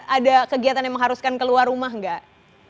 ada kegiatan yang mengharuskan keluar rumah nggak